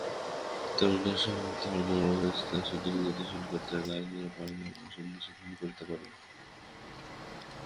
তারুণ্যের স্বভাবধর্ম অস্থিরতা—সেটিকে গঠনশীল কাজে লাগাতে পারলে আমরা অসাধ্য সাধন করতে পারব।